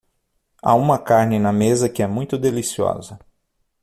Há uma carne na mesa que é muito deliciosa.